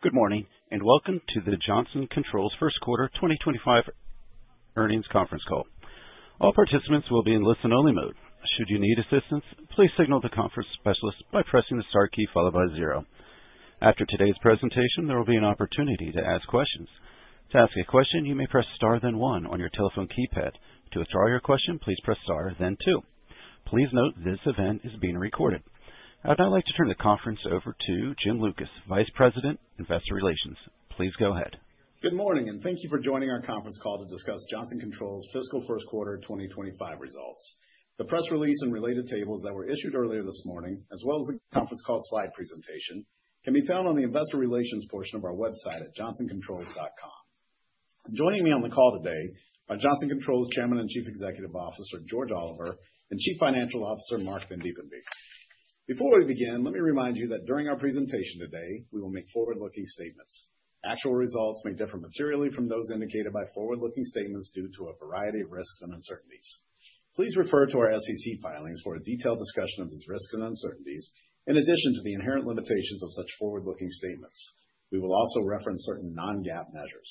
Good morning, and welcome to the Johnson Controls First Quarter 2025 Earnings Conference Call. All participants will be in listen-only mode. Should you need assistance, please signal the conference specialist by pressing the star key followed by zero. After today's presentation, there will be an opportunity to ask questions. To ask a question, you may press star then one on your telephone keypad. To withdraw your question, please press star then two. Please note this event is being recorded. I'd now like to turn the conference over to Jim Lucas, Vice President, Investor Relations. Please go ahead. Good morning, and thank you for joining our conference call to discuss Johnson Controls Fiscal First Quarter 2025 results. The press release and related tables that were issued earlier this morning, as well as the conference call slide presentation, can be found on the Investor Relations portion of our website at johnsoncontrols.com. Joining me on the call today are Johnson Controls Chairman, and Chief Executive Officer George Oliver, and Chief Financial Officer Marc Vandiepenbeeck. Before we begin, let me remind you that during our presentation today, we will make forward-looking statements. Actual results may differ materially from those indicated by forward-looking statements due to a variety of risks and uncertainties. Please refer to our SEC filings for a detailed discussion of these risks and uncertainties, in addition to the inherent limitations of such forward-looking statements. We will also reference certain non-GAAP measures.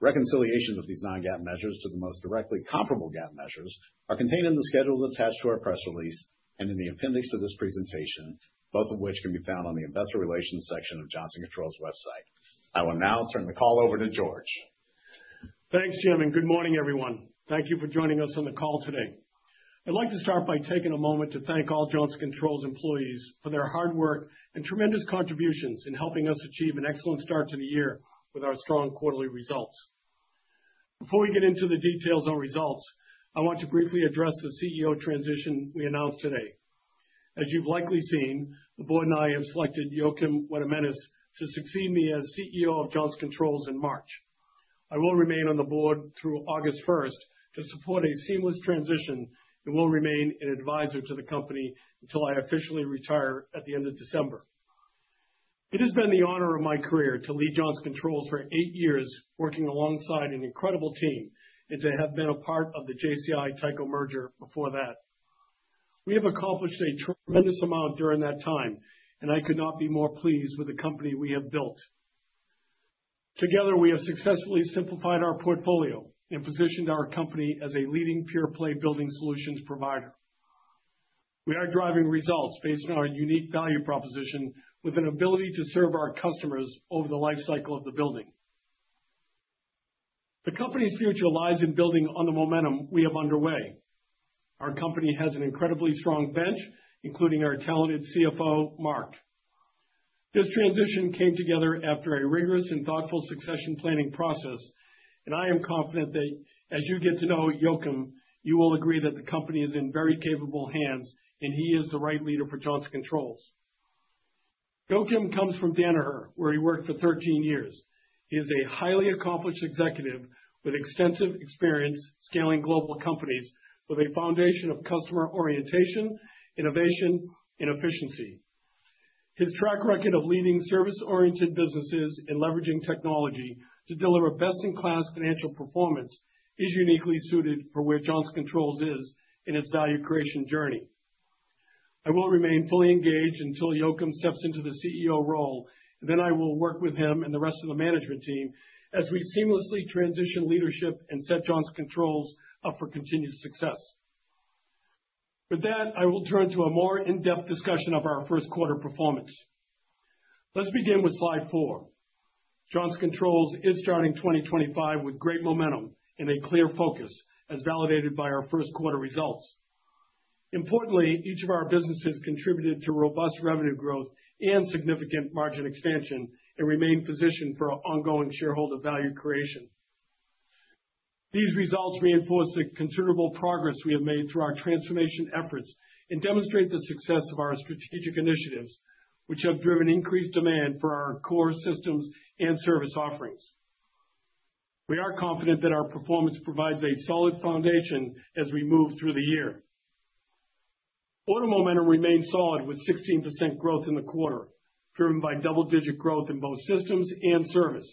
Reconciliations of these non-GAAP measures to the most directly comparable GAAP measures are contained in the schedules attached to our press release and in the appendix to this presentation, both of which can be found on the Investor Relations section of Johnson Controls website. I will now turn the call over to George. Thanks Jim, and good morning, everyone. Thank you for joining us on the call today. I'd like to start by taking a moment to thank all Johnson Controls employees for their hard work and tremendous contributions in helping us achieve an excellent start to the year with our strong quarterly results. Before we get into the details on results, I want to briefly address the CEO transition we announced today. As you've likely seen, the board and I have selected Joakim Weidemanis to succeed me as CEO of Johnson Controls in March. I will remain on the board through August first to support a seamless transition and will remain an advisor to the company until I officially retire at the end of December. It has been the honor of my career to lead Johnson Controls for eight years, working alongside an incredible team, and to have been a part of the JCI-Tyco merger before that. We have accomplished a tremendous amount during that time, and I could not be more pleased with the company we have built. Together, we have successfully simplified our portfolio and positioned our company as a leading pure-play building solutions provider. We are driving results based on our unique value proposition with an ability to serve our customers over the lifecycle of the building. The company's future lies in building on the momentum we have underway. Our company has an incredibly strong bench, including our talented CFO, Marc. This transition came together after a rigorous and thoughtful succession planning process, and I am confident that as you get to know Joakim, you will agree that the company is in very capable hands and he is the right leader for Johnson Controls. Joakim comes from Danaher, where he worked for 13 years. He is a highly accomplished executive with extensive experience scaling global companies with a foundation of customer orientation, innovation, and efficiency. His track record of leading service-oriented businesses and leveraging technology to deliver best-in-class financial performance is uniquely suited for where Johnson Controls is in its value creation journey. I will remain fully engaged until Joakim steps into the CEO role, and then I will work with him and the rest of the management team as we seamlessly transition leadership and set Johnson Controls up for continued success. With that, I will turn to a more in-depth discussion of our first quarter performance. Let's begin with slide four. Johnson Controls is starting 2025 with great momentum and a clear focus, as validated by our first quarter results. Importantly, each of our businesses contributed to robust revenue growth and significant margin expansion and remain positioned for ongoing shareholder value creation. These results reinforce the considerable progress we have made through our transformation efforts and demonstrate the success of our strategic initiatives, which have driven increased demand for our core systems and service offerings. We are confident that our performance provides a solid foundation as we move through the year. Order momentum remained solid with 16% growth in the quarter, driven by double-digit growth in both systems and service.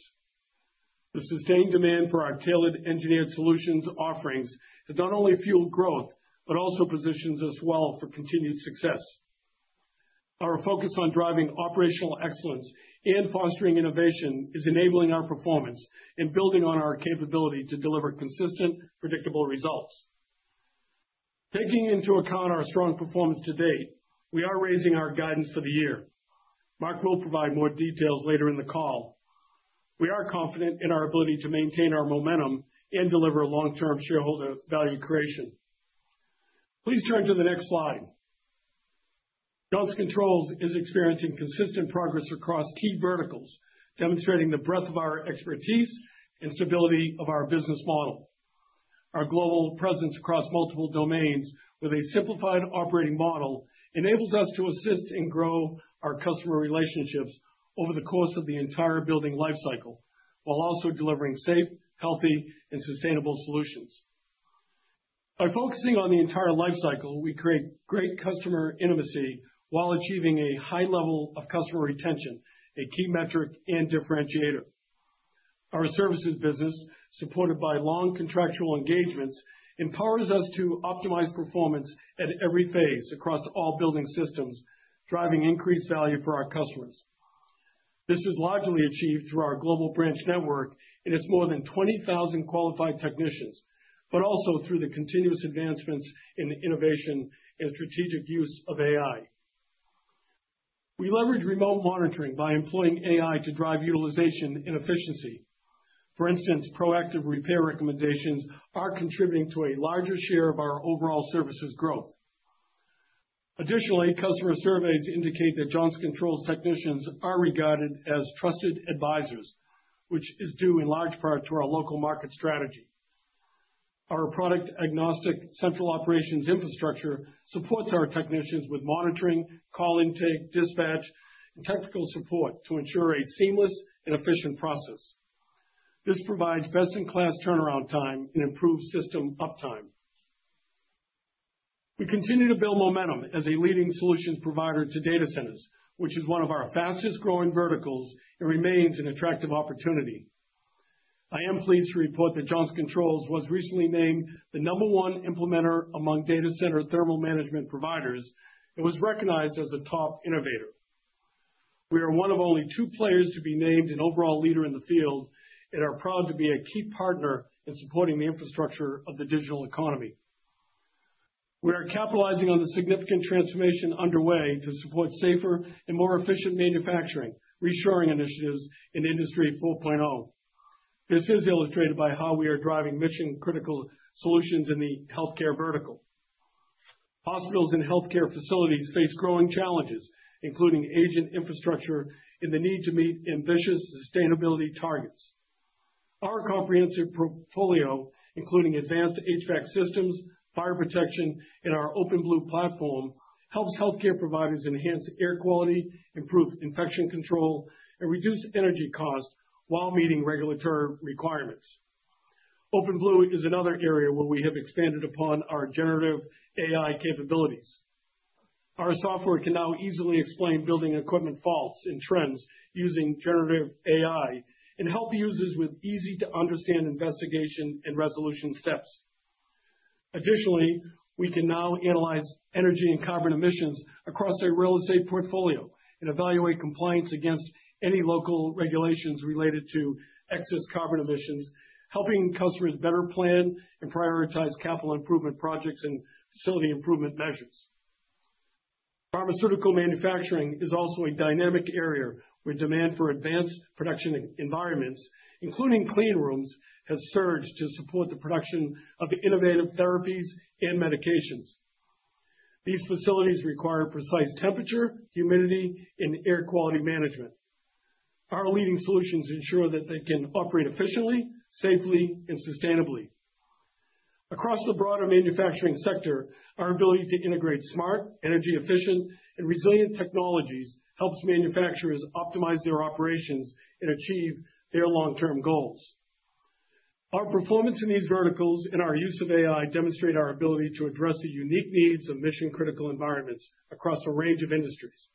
The sustained demand for our tailored engineered solutions offerings has not only fueled growth but also positions us well for continued success. Our focus on driving operational excellence and fostering innovation is enabling our performance and building on our capability to deliver consistent, predictable results. Taking into account our strong performance to date, we are raising our guidance for the year. Marc will provide more details later in the call. We are confident in our ability to maintain our momentum and deliver long-term shareholder value creation. Please turn to the next slide. Johnson Controls is experiencing consistent progress across key verticals, demonstrating the breadth of our expertise and stability of our business model. Our global presence across multiple domains with a simplified operating model enables us to assist and grow our customer relationships over the course of the entire building lifecycle, while also delivering safe, healthy, and sustainable solutions. By focusing on the entire lifecycle, we create great customer intimacy while achieving a high level of customer retention, a key metric and differentiator. Our services business, supported by long contractual engagements, empowers us to optimize performance at every phase across all building systems, driving increased value for our customers. This is largely achieved through our global branch network and its more than 20,000 qualified technicians, but also through the continuous advancements in innovation and strategic use of AI. We leverage remote monitoring by employing AI to drive utilization and efficiency. For instance, proactive repair recommendations are contributing to a larger share of our overall services growth. Additionally, customer surveys indicate that Johnson Controls technicians are regarded as trusted advisors, which is due in large part to our local market strategy. Our product-agnostic central operations infrastructure supports our technicians with monitoring, call intake, dispatch, and technical support to ensure a seamless and efficient process. This provides best-in-class turnaround time and improved system uptime. We continue to build momentum as a leading solutions provider to data centers, which is one of our fastest-growing verticals and remains an attractive opportunity. I am pleased to report that Johnson Controls was recently named the number one implementer among data center thermal management providers and was recognized as a top innovator. We are one of only two players to be named an overall leader in the field and are proud to be a key partner in supporting the infrastructure of the digital economy. We are capitalizing on the significant transformation underway to support safer and more efficient manufacturing, reshoring initiatives in Industry 4.0. This is illustrated by how we are driving mission-critical solutions in the healthcare vertical. Hospitals and Healthcare Facilities face growing challenges, including agent infrastructure and the need to meet ambitious sustainability targets. Our comprehensive portfolio, including advanced HVAC systems, fire protection, and our OpenBlue platform, helps healthcare providers enhance air quality, improve infection control, and reduce energy costs while meeting regulatory requirements. OpenBlue is another area where we have expanded upon our generative AI capabilities. Our software can now easily explain building equipment faults and trends using generative AI and help users with easy-to-understand investigation and resolution steps. Additionally, we can now analyze energy and carbon emissions across our real estate portfolio and evaluate compliance against any local regulations related to excess carbon emissions, helping customers better plan and prioritize capital improvement projects and facility improvement measures. Pharmaceutical manufacturing is also a dynamic area where demand for advanced production environments, including clean rooms, has surged to support the production of innovative therapies and medications. These facilities require precise temperature, humidity, and air quality management. Our leading solutions ensure that they can operate efficiently, safely, and sustainably. Across the broader manufacturing sector, our ability to integrate smart, energy-efficient, and resilient technologies helps manufacturers optimize their operations and achieve their long-term goals. Our performance in these verticals and our use of AI demonstrate our ability to address the unique needs of mission-critical environments across a range of industries.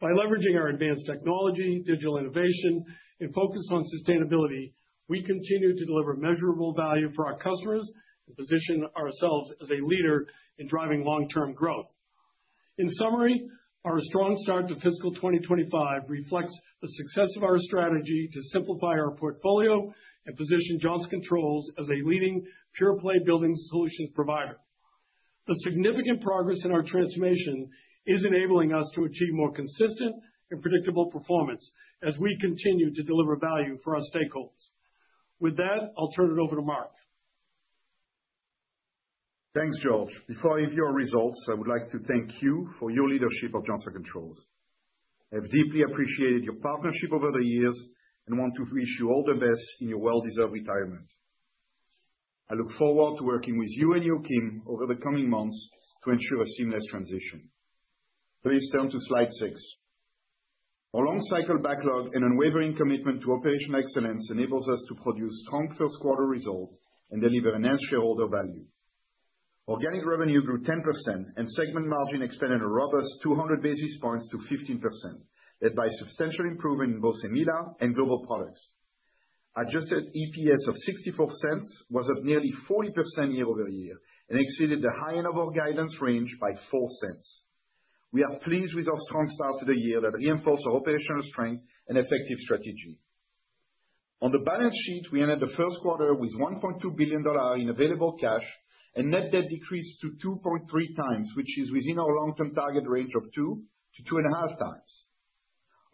By leveraging our advanced technology, digital innovation, and focus on sustainability, we continue to deliver measurable value for our customers and position ourselves as a leader in driving long-term growth. In summary, our strong start to fiscal 2025 reflects the success of our strategy to simplify our portfolio and position Johnson Controls as a leading pure-play building solutions provider. The significant progress in our transformation is enabling us to achieve more consistent and predictable performance as we continue to deliver value for our stakeholders. With that, I'll turn it over to Marc. Thanks, George. Before I give you our results, I would like to thank you for your leadership of Johnson Controls. I have deeply appreciated your partnership over the years and want to wish you all the best in your well-deserved retirement. I look forward to working with you and Joakim over the coming months to ensure a seamless transition. Please turn to slide six. Our long-cycle backlog and unwavering commitment to operational excellence enables us to produce strong first-quarter results and deliver enhanced shareholder value. Organic revenue grew 10%, and segment margin expanded a robust 200 basis points to 15%, thereby substantially improving both EMEALA and Global Products. Adjusted EPS of $0.64 was up nearly 40% year over year and exceeded the high end of our guidance range by $0.04. We are pleased with our strong start to the year that reinforced our operational strength and effective strategy. On the balance sheet, we ended the first quarter with $1.2 billion in available cash and net debt decreased to 2.3 times, which is within our long-term target range of 2 to 2.5 times.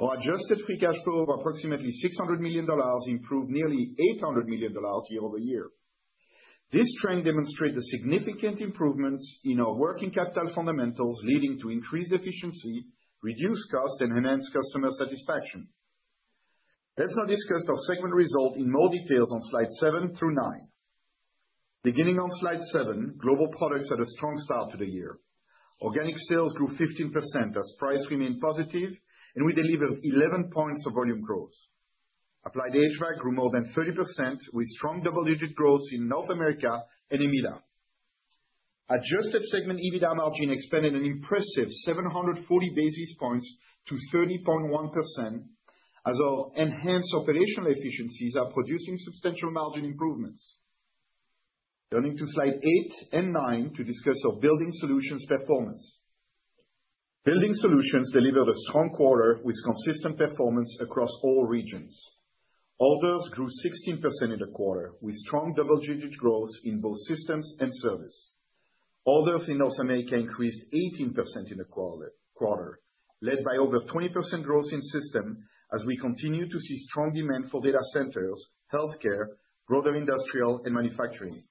Our adjusted free cash flow of approximately $600 million improved nearly $800 million year over year. This trend demonstrates the significant improvements in our working capital fundamentals, leading to increased efficiency, reduced costs, and enhanced customer satisfaction. Let's now discuss our segment result in more detail on slide seven through nine. Beginning on slide seven, Global Products had a strong start to the year. Organic sales grew 15% as price remained positive, and we delivered 11 points of volume growth. Applied HVAC grew more than 30% with strong double-digit growth in North America and EMEALA. Adjusted segment EBITDA margin expanded an impressive 740 basis points to 30.1%, as our enhanced operational efficiencies are producing substantial margin improvements. Turning to slide eight and nine to discuss our building solutions performance. Building solutions delivered a strong quarter with consistent performance across all regions. Orders grew 16% in the quarter with strong double-digit growth in both systems and service. Orders in North America increased 18% in the quarter, led by over 20% growth in systems as we continue to see strong demand for data centers, healthcare, broader industrial, and manufacturing.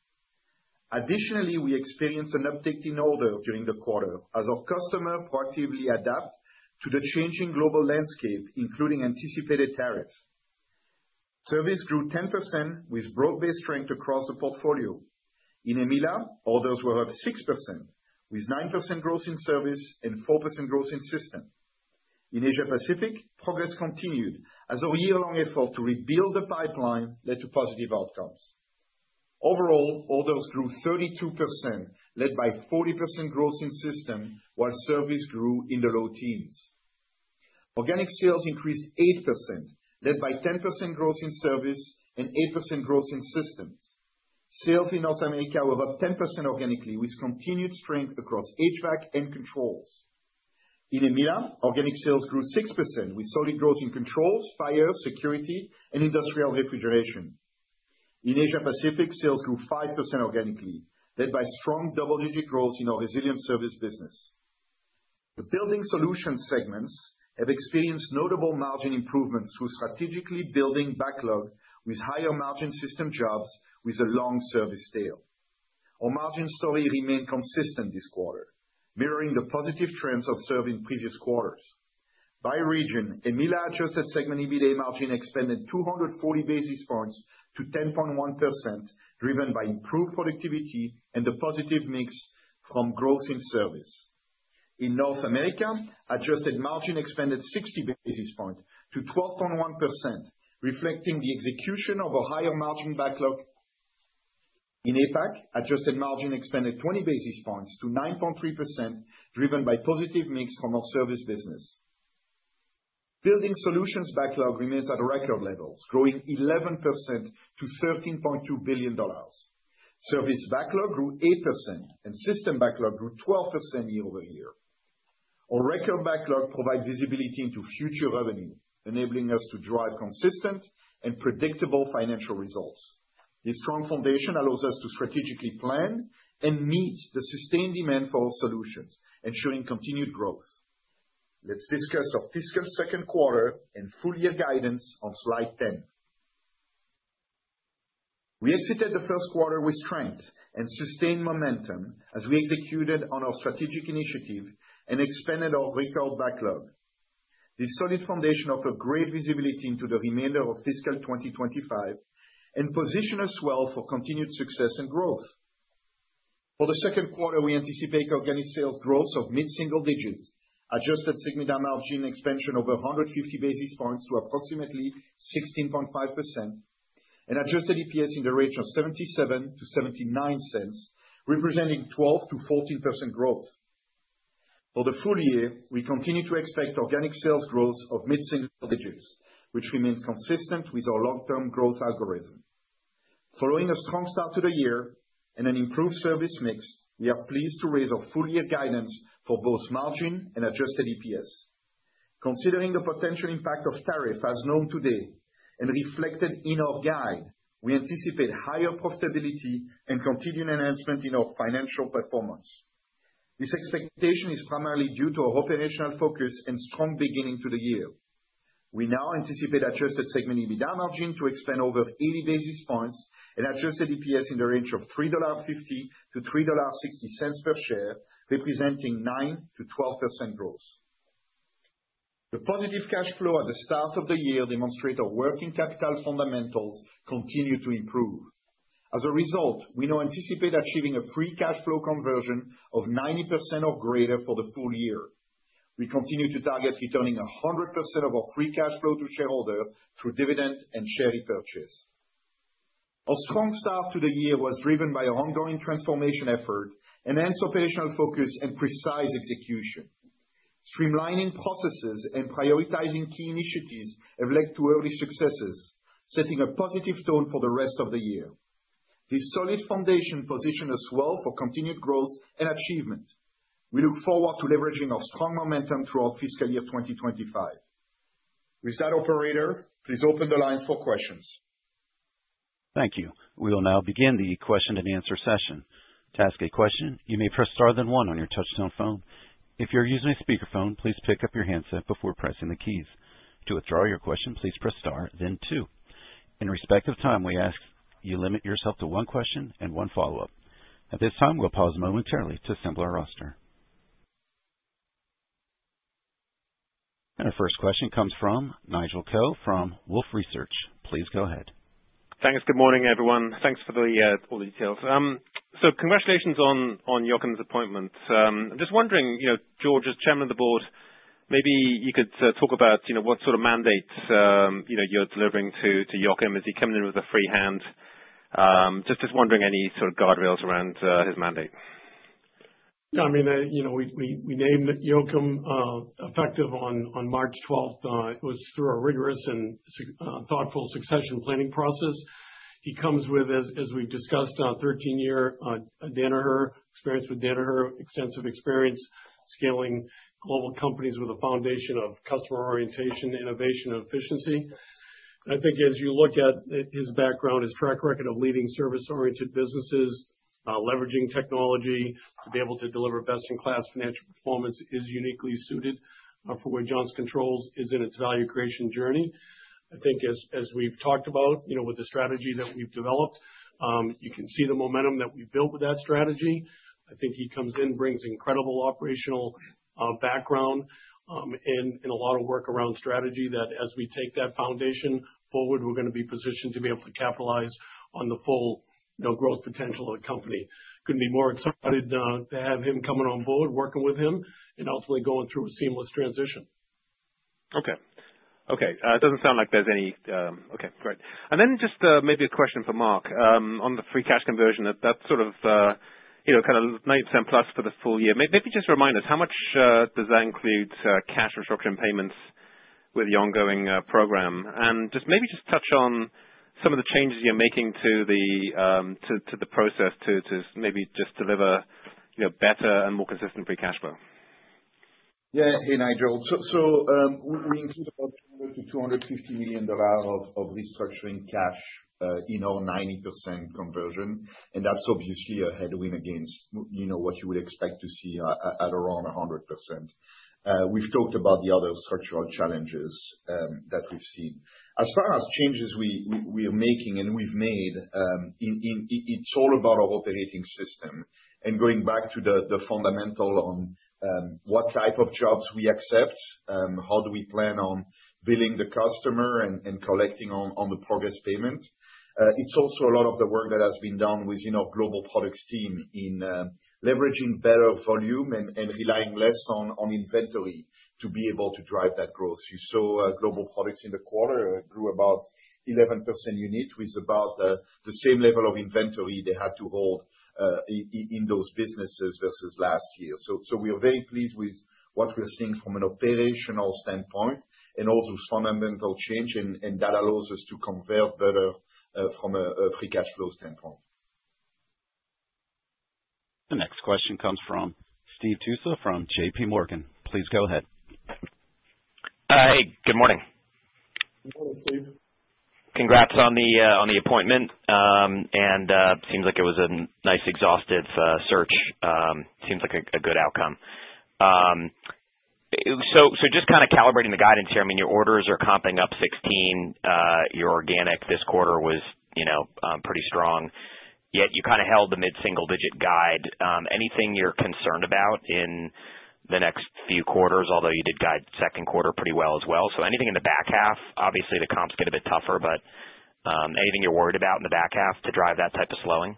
Additionally, we experienced an uptick in orders during the quarter as our customers proactively adapted to the changing global landscape, including anticipated tariffs. Service grew 10% with broad-based strength across the portfolio. In EMEALA, orders were up 6% with 9% growth in service and 4% growth in systems. In Asia-Pacific, progress continued as our year-long effort to rebuild the pipeline led to positive outcomes. Overall, orders grew 32%, led by 40% growth in systems, while service grew in the low teens. Organic sales increased 8%, led by 10% growth in service and 8% growth in systems. Sales in North America were up 10% organically, with continued strength across HVAC and controls. In EMEALA, organic sales grew 6% with solid growth in controls, Fire, Security, and Industrial Refrigeration. In Asia-Pacific, sales grew 5% organically, led by strong double-digit growth in our resilient service business. The building solution segments have experienced notable margin improvements through strategically building backlog with higher margin system jobs with a long service tail. Our margin story remained consistent this quarter, mirroring the positive trends observed in previous quarters. By region, EMEALA adjusted segment EBITDA margin expanded 240 basis points to 10.1%, driven by improved productivity and the positive mix from growth in service. In North America, adjusted margin expanded 60 basis points to 12.1%, reflecting the execution of a higher margin backlog. In APAC, adjusted margin expanded 20 basis points to 9.3%, driven by positive mix from our service business. Building solutions backlog remains at a record level, growing 11% to $13.2 billion. Service backlog grew 8%, and system backlog grew 12% year-over-year. Our record backlog provides visibility into future revenue, enabling us to drive consistent and predictable financial results. This strong foundation allows us to strategically plan and meet the sustained demand for our solutions, ensuring continued growth. Let's discuss our fiscal second quarter and full-year guidance on slide 10. We exited the first quarter with strength and sustained momentum as we executed on our strategic initiative and expanded our record backlog. This solid foundation offers great visibility into the remainder of fiscal 2025 and positions us well for continued success and growth. For the second quarter, we anticipate organic sales growth of mid-single digits, adjusted segment margin expansion of 150 basis points to approximately 16.5%, and adjusted EPS in the range of $0.77 to $0.79, representing 12% to 14% growth. For the full year, we continue to expect organic sales growth of mid-single digits, which remains consistent with our long-term growth algorithm. Following a strong start to the year and an improved service mix, we are pleased to raise our full-year guidance for both margin and adjusted EPS. Considering the potential impact of tariffs as known today and reflected in our guide, we anticipate higher profitability and continued enhancement in our financial performance. This expectation is primarily due to our operational focus and strong beginning to the year. We now anticipate adjusted segment EBITDA margin to expand over 80 basis points and adjusted EPS in the range of $3.50 to $3.60 per share, representing 9% to 12% growth. The positive cash flow at the start of the year demonstrates our working capital fundamentals continue to improve. As a result, we now anticipate achieving a free cash flow conversion of 90% or greater for the full year. We continue to target returning 100% of our free cash flow to shareholders through dividend and share repurchase. Our strong start to the year was driven by our ongoing transformation effort, enhanced operational focus, and precise execution. Streamlining processes and prioritizing key initiatives have led to early successes, setting a positive tone for the rest of the year. This solid foundation positions us well for continued growth and achievement. We look forward to leveraging our strong momentum throughout fiscal year 2025. With that, Operator, please open the lines for questions. Thank you. We will now begin the question-and-answer session. To ask a question, you may press star then one on your touch-tone phone. If you're using a speakerphone, please pick up your handset before pressing the keys. To withdraw your question, please press star, then two. In the interest of time, we ask you limit yourself to one question and one follow-up. At this time, we'll pause momentarily to assemble our roster, and our first question comes from Nigel Coe from Wolfe Research. Please go ahead. Thanks. Good morning everyone. Thanks for all the details. So congratulations on Joakim's appointment. I'm just wondering, George, as chairman of the board, maybe you could talk about what sort of mandate you're delivering to Joakim as he comes in with a free hand. Just wondering any sort of guardrails around his mandate. Yeah. I mean, we named Joakim effective on March 12th. It was through a rigorous and thoughtful succession planning process. He comes with, as we've discussed, a 13-year Danaher experience with Danaher, extensive experience scaling global companies with a foundation of customer orientation, innovation, and efficiency. I think as you look at his background, his track record of leading service-oriented businesses, leveraging technology to be able to deliver best-in-class financial performance is uniquely suited for where Johnson Controls is in its value creation journey. I think as we've talked about with the strategy that we've developed, you can see the momentum that we've built with that strategy. I think he comes in, brings incredible operational background and a lot of work around strategy that as we take that foundation forward, we're going to be positioned to be able to capitalize on the full growth potential of the company. Couldn't be more excited to have him coming on board, working with him, and ultimately going through a seamless transition. Okay. It doesn't sound like there's any. Okay. Great, and then just maybe a question for Marc on the free cash conversion, that sort of kind of 90% plus for the full year. Maybe just remind us, how much does that include cash restructuring payments with the ongoing program? And maybe just touch on some of the changes you're making to the process to maybe just deliver better and more consistent free cash flow. Yeah, hey Nigel. So we include about $250 million of restructuring cash in our 90% conversion. And that's obviously a headwind against what you would expect to see at around 100%. We've talked about the other structural challenges that we've seen. As far as changes we are making and we've made, it's all about our operating system. And going back to the fundamental on what type of jobs we accept, how do we plan on billing the customer and collecting on the progress payment. It's also a lot of the work that has been done within our Global Products team in leveraging better volume and relying less on inventory to be able to drive that growth. You saw Global Products in the quarter grew about 11% unit with about the same level of inventory they had to hold in those businesses versus last year. So we are very pleased with what we're seeing from an operational standpoint and also fundamental change. And that allows us to convert better from a free cash flow standpoint. The next question comes from Steve Tusa from JPMorgan. Please go ahead. Hey, good morning. Congrats on the appointment. And it seems like it was a nice exhaustive search. Seems like a good outcome. So just kind of calibrating the guidance here. I mean, your orders are comping up 16. Your organic this quarter was pretty strong. Yet you kind of held the mid-single digit guide. Anything you're concerned about in the next few quarters, although you did guide second quarter pretty well as well? So anything in the back half? Obviously, the comps get a bit tougher, but anything you're worried about in the back half to drive that type of slowing?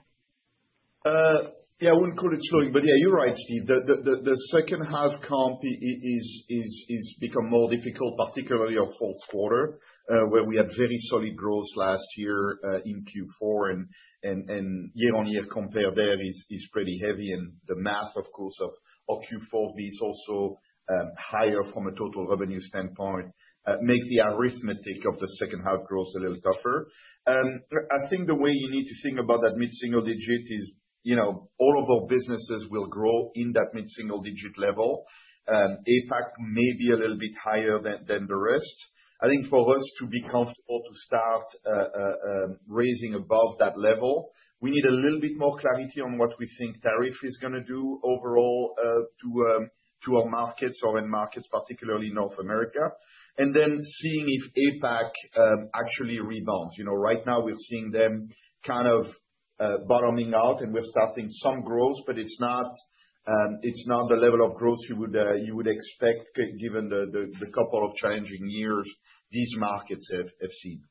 Yeah, I wouldn't call it slowing, but yeah, you're right, Steve. The second half comp has become more difficult, particularly our fourth quarter, where we had very solid growth last year in Q4, and year-on-year compare there is pretty heavy. And the math, of course, of Q4 base also higher from a total revenue standpoint, makes the arithmetic of the second half growth a little tougher. I think the way you need to think about that mid-single digit is all of our businesses will grow in that mid-single digit level. APAC may be a little bit higher than the rest. I think for us to be comfortable to start raising above that level, we need a little bit more clarity on what we think tariff is going to do overall to our markets, our end markets, particularly North America, and then seeing if APAC actually rebounds. Right now, we're seeing them kind of bottoming out, and we're starting some growth, but it's not the level of growth you would expect given the couple of challenging years these markets have seen.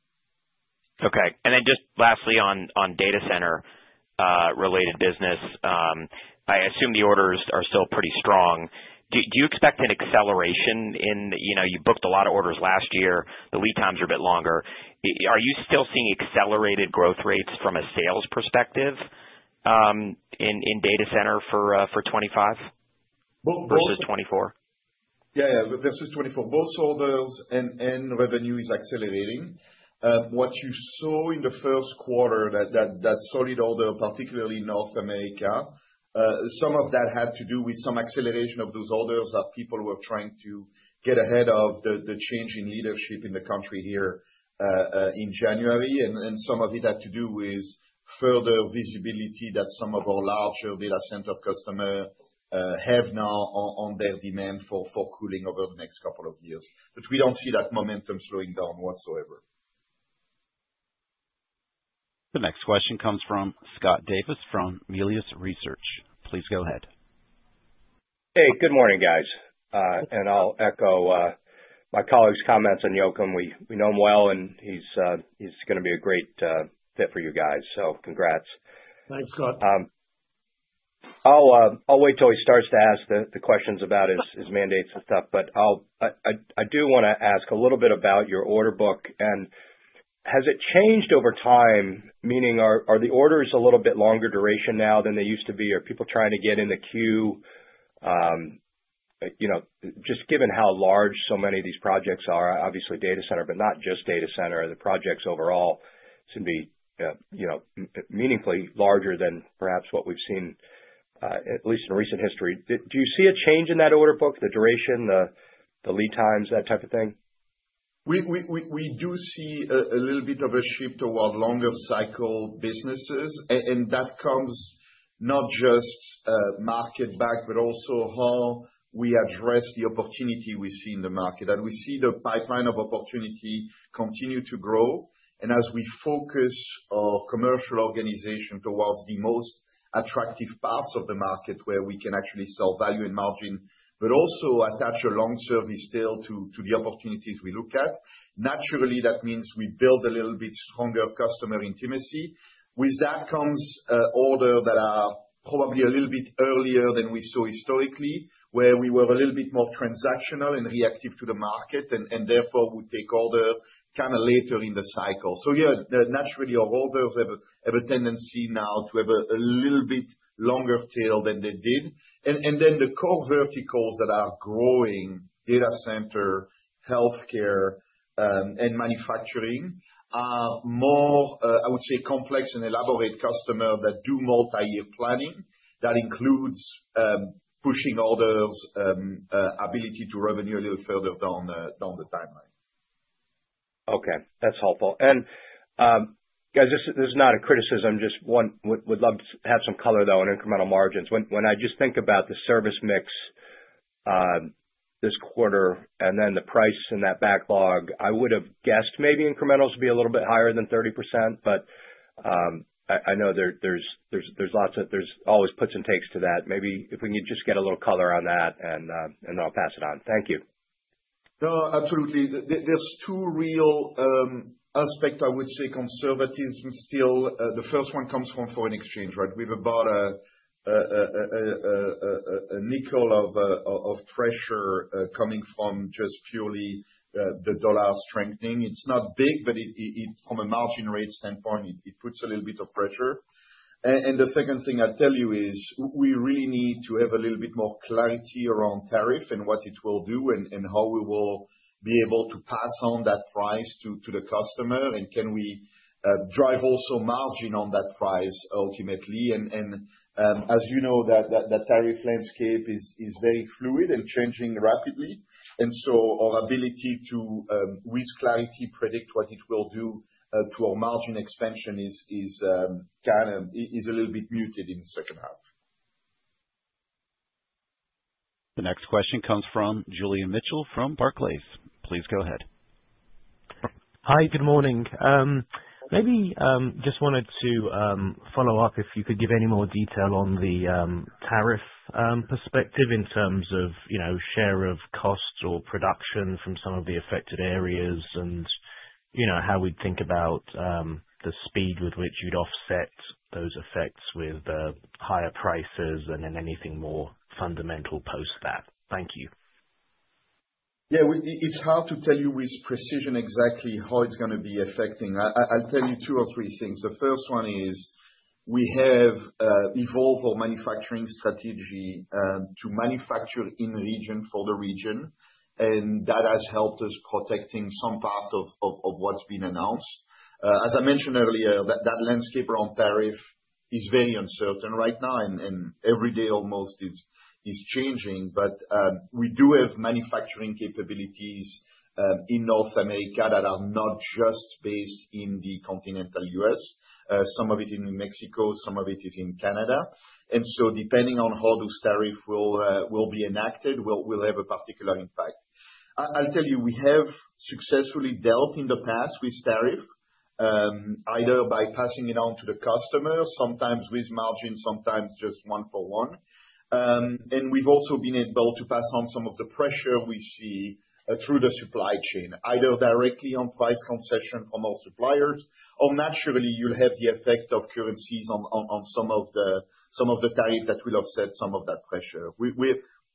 Okay. And then just lastly on data center-related business, I assume the orders are still pretty strong. Do you expect an acceleration in you booked a lot of orders last year? The lead times are a bit longer. Are you still seeing accelerated growth rates from a sales perspective in data center for 2025 versus 2024? Yeah, yeah versus 2024. Both orders and revenue is accelerating. What you saw in the first quarter, that solid order, particularly North America, some of that had to do with some acceleration of those orders that people were trying to get ahead of the change in leadership in the country here in January, and some of it had to do with further visibility that some of our larger data center customers have now on their demand for cooling over the next couple of years, but we don't see that momentum slowing down whatsoever. The next question comes from Scott Davis from Melius Research. Please go ahead. Hey, good morning, guys, and I'll echo my colleague's comments on Joakim. We know him well, and he's going to be a great fit for you guys, so congrats. Thanks, Scott. I'll wait till he starts to ask the questions about his mandates and stuff, but I do want to ask a little bit about your order book, and has it changed over time, meaning are the orders a little bit longer duration now than they used to be? Are people trying to get in the queue? Just given how large so many of these projects are, obviously data center, but not just data center, the projects overall seem to be meaningfully larger than perhaps what we've seen, at least in recent history. Do you see a change in that order book, the duration, the lead times, that type of thing? We do see a little bit of a shift toward longer cycle businesses. And that comes not just market backlog, but also how we address the opportunity we see in the market. And we see the pipeline of opportunity continue to grow. And as we focus our commercial organization towards the most attractive parts of the market where we can actually sell value and margin, but also attach a long service tail to the opportunities we look at, naturally, that means we build a little bit stronger customer intimacy. With that comes orders that are probably a little bit earlier than we saw historically, where we were a little bit more transactional and reactive to the market, and therefore would take orders kind of later in the cycle. So yeah, naturally our orders have a tendency now to have a little bit longer tail than they did. And then the core verticals that are growing, data center, healthcare, and manufacturing, are more, I would say, complex and elaborate customers that do multi-year planning that includes pushing orders' ability to revenue a little further down the timeline. Okay. That's helpful, and guys this is not a criticism. Just would love to have some color, though, on incremental margins. When I just think about the service mix this quarter and then the price and that backlog, I would have guessed maybe incrementals would be a little bit higher than 30%. But I know there's always puts and takes to that. Maybe if we can just get a little color on that, and then I'll pass it on. Thank you. No, absolutely. There's two real aspects, I would say, conservative still. The first one comes from foreign exchange, right? We've about a nickel of pressure coming from just purely the dollar strengthening. It's not big, but from a margin rate standpoint, it puts a little bit of pressure. And the second thing I'll tell you is we really need to have a little bit more clarity around tariff and what it will do and how we will be able to pass on that price to the customer. And can we drive also margin on that price ultimately? And as you know, that tariff landscape is very fluid and changing rapidly. And so our ability to, with clarity, predict what it will do to our margin expansion is kind of a little bit muted in the second half. The next question comes from Julian Mitchell from Barclays. Please go ahead. Hi, good morning. Maybe just wanted to follow up if you could give any more detail on the tariff perspective in terms of share of costs or production from some of the affected areas and how we'd think about the speed with which you offset those effects with higher prices and then anything more fundamental post that? Thank you. Yeah, it's hard to tell you with precision exactly how it's going to be affecting. I'll tell you two or three things. The first one is we have evolved our manufacturing strategy to manufacture in region for the region. And that has helped us protecting some part of what's been announced. As I mentioned earlier, that landscape around tariff is very uncertain right now. And every day almost is changing. But we do have manufacturing capabilities in North America that are not just based in the continental U.S. Some of it is in Mexico. Some of it is in Canada. And so depending on how those tariffs will be enacted, we'll have a particular impact. I'll tell you, we have successfully dealt in the past with tariff, either by passing it on to the customer, sometimes with margin, sometimes just one for one. And we've also been able to pass on some of the pressure we see through the supply chain, either directly on price concession from our suppliers, or naturally, you'll have the effect of currencies on some of the tariff that will offset some of that pressure.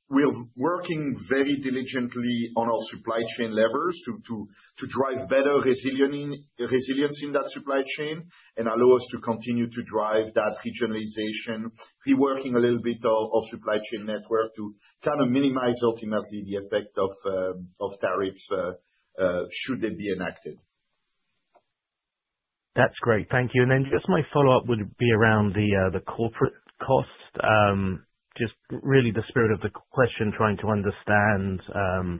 We're working very diligently on our supply chain levers to drive better resilience in that supply chain and allow us to continue to drive that regionalization, reworking a little bit of our supply chain network to kind of minimize ultimately the effect of tariffs should they be enacted. That's great. Thank you, and then just my follow-up would be around the corporate cost. Just really the spirit of the question, trying to understand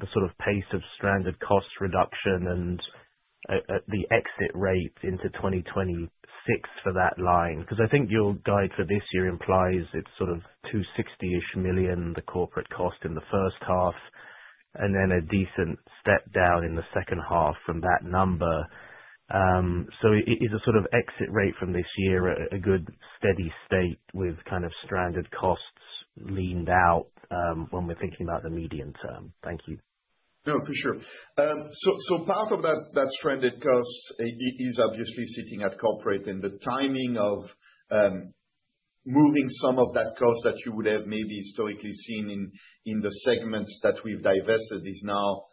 the sort of pace of stranded cost reduction and the exit rate into 2026 for that line. Because I think your guide for this year implies it's sort of $260-ish million, the corporate cost in the first half, and then a decent step down in the second half from that number. So is the sort of exit rate from this year a good steady state with kind of stranded costs leaned out when we're thinking about the medium term? Thank you. No, for sure. So part of that stranded cost is obviously sitting at corporate. And the timing of moving some of that cost that you would have maybe historically seen in the segments that we've divested is now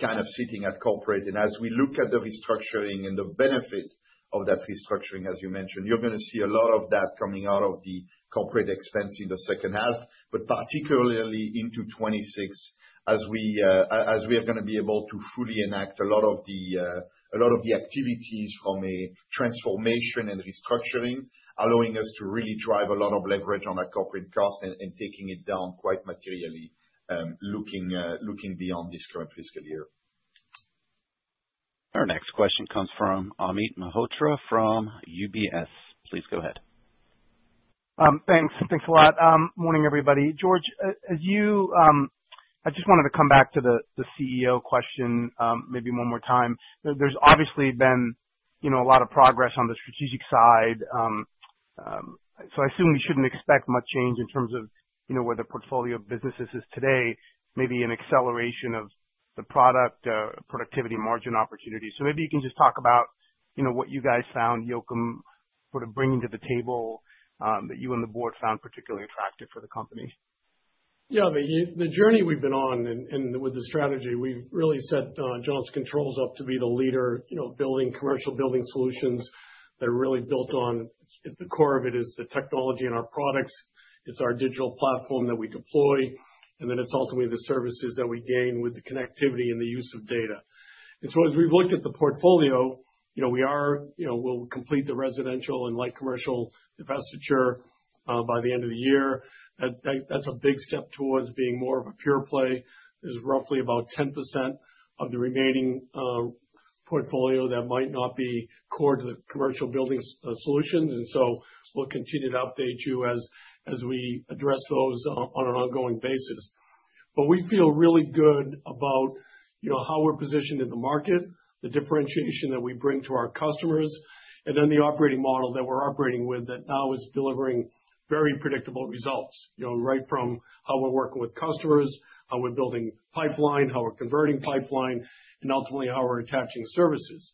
kind of sitting at corporate. And as we look at the restructuring and the benefit of that restructuring, as you mentioned, you're going to see a lot of that coming out of the corporate expense in the second half, but particularly into 2026, as we are going to be able to fully enact a lot of the activities from a transformation and restructuring, allowing us to really drive a lot of leverage on that corporate cost and taking it down quite materially looking beyond this current fiscal year. Our next question comes from Amit Mehrotra from UBS. Please go ahead. Thanks. Thanks a lot. Morning, everybody. George, I just wanted to come back to the CEO question maybe one more time. There's obviously been a lot of progress on the strategic side. So I assume we shouldn't expect much change in terms of where the portfolio of businesses is today, maybe an acceleration of the product productivity margin opportunity. So maybe you can just talk about what you guys found Joakim sort of bringing to the table that you and the board found particularly attractive for the company. Yeah, the journey we've been on and with the strategy, we've really set Johnson Controls up to be the leader building commercial building solutions that are really built on. The core of it is the technology in our products. It's our digital platform that we deploy. And then it's ultimately the services that we gain with the connectivity and the use of data. And so as we've looked at the portfolio, we will complete the residential and light commercial infrastructure by the end of the year. That's a big step towards being more of a pure play. There's roughly about 10% of the remaining portfolio that might not be core to the commercial building solutions. And so we'll continue to update you as we address those on an ongoing basis. But we feel really good about how we're positioned in the market, the differentiation that we bring to our customers, and then the operating model that we're operating with that now is delivering very predictable results, right from how we're working with customers, how we're building pipeline, how we're converting pipeline, and ultimately how we're attaching services.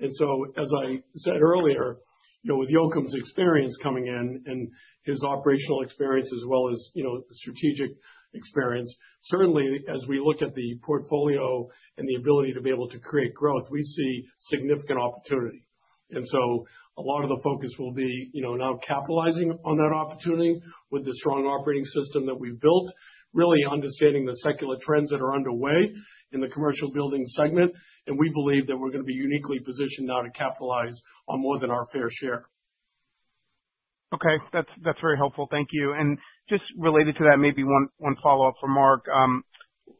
And so as I said earlier, with Joakim's experience coming in and his operational experience as well as the strategic experience, certainly as we look at the portfolio and the ability to be able to create growth, we see significant opportunity. And so a lot of the focus will be now capitalizing on that opportunity with the strong operating system that we've built, really understanding the secular trends that are underway in the commercial building segment. And we believe that we're going to be uniquely positioned now to capitalize on more than our fair share. Okay. That's very helpful. Thank you. And just related to that, maybe one follow-up from Marc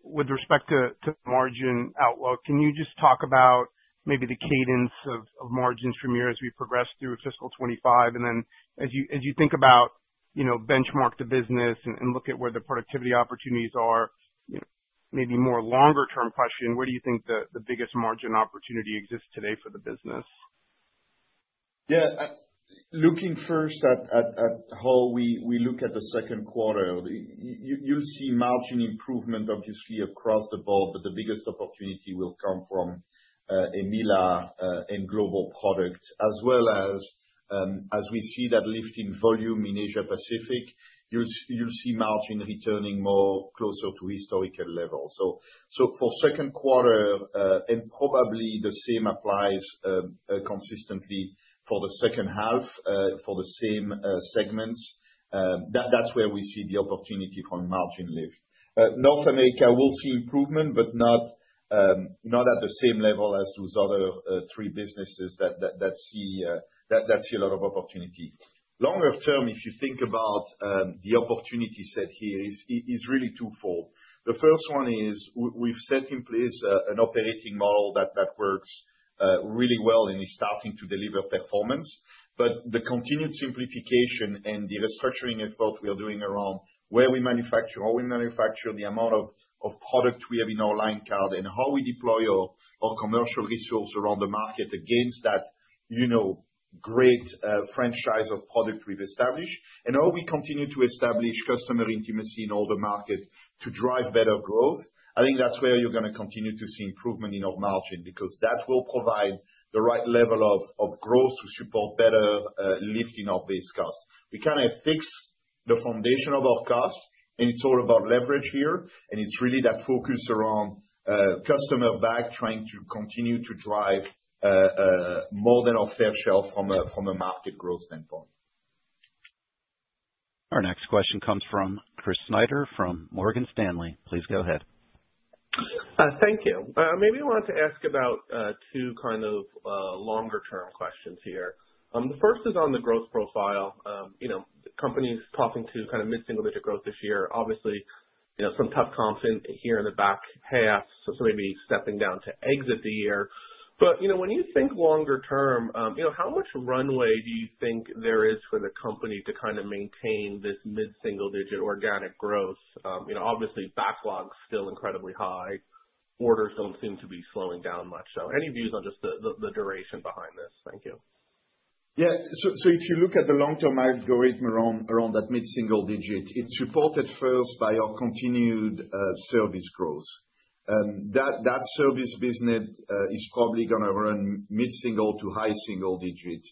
with respect to margin outlook. Can you just talk about maybe the cadence of margins from here as we progress through fiscal 2025? And then as you think about benchmark the business and look at where the productivity opportunities are, maybe more longer-term question, where do you think the biggest margin opportunity exists today for the business? Yeah. Looking first at how we look at the second quarter, you'll see margin improvement, obviously, across the board, but the biggest opportunity will come from EMEALA and global product, as well as we see that lift in volume in Asia-Pacific. You'll see margin returning more closer to historical levels. So for Q2, and probably the same applies consistently for the second half for the same segments, that's where we see the opportunity from margin lift. North America will see improvement, but not at the same level as those other three businesses that see a lot of opportunity. Longer term, if you think about the opportunity set here, it's really twofold. The first one is we've set in place an operating model that works really well and is starting to deliver performance. The continued simplification and the restructuring effort we are doing around where we manufacture, how we manufacture, the amount of product we have in our line card, and how we deploy our commercial resource around the market against that great franchise of product we've established, and how we continue to establish customer intimacy in all the market to drive better growth. I think that's where you're going to continue to see improvement in our margin because that will provide the right level of growth to support better lift in our base cost. We kind of fix the foundation of our cost, and it's all about leverage here. It's really that focus around customer back trying to continue to drive more than our fair share from a market growth standpoint. Our next question comes from Chris Snyder from Morgan Stanley. Please go ahead. Thank you. Maybe I want to ask about two kind of longer-term questions here. The first is on the growth profile. The company's guiding to kind of mid-single-digit growth this year. Obviously, some tough comps here in the back half, so maybe stepping down to exit the year. But when you think longer term, how much runway do you think there is for the company to kind of maintain this mid-single-digit organic growth? Obviously, backlog's still incredibly high. Orders don't seem to be slowing down much. So any views on just the duration behind this? Thank you. Yeah. So if you look at the long-term algorithm around that mid-single digit, it's supported first by our continued service growth. That service business is probably going to run mid-single to high single digit,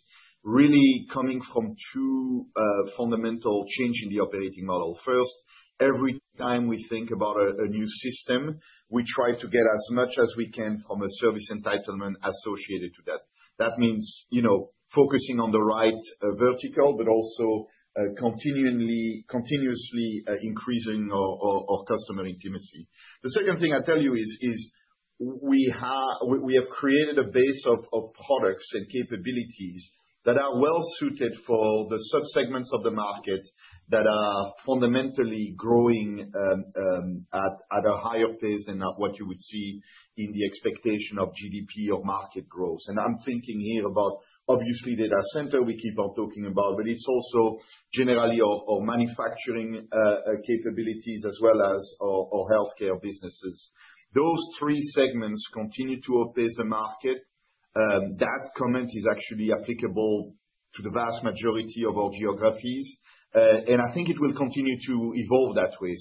really coming from two fundamental changes in the operating model. First, every time we think about a new system, we try to get as much as we can from a service entitlement associated to that. That means focusing on the right vertical, but also continuously increasing our customer intimacy. The second thing I'll tell you is we have created a base of products and capabilities that are well-suited for the subsegments of the market that are fundamentally growing at a higher pace than what you would see in the expectation of GDP or market growth. I'm thinking here about, obviously, data center we keep on talking about, but it's also generally our manufacturing capabilities as well as our healthcare businesses. Those three segments continue to outpace the market. That comment is actually applicable to the vast majority of our geographies. I think it will continue to evolve that way.